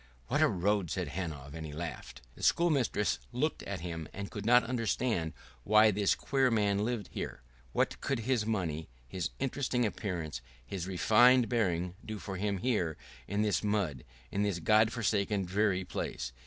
"What a road!" said Hanov, and he laughed. The schoolmistress looked at him and could not understand why this queer man lived here. What could his money, his interesting appearance, his refined bearing do for him here, in this mud, in this God forsaken, dreary place?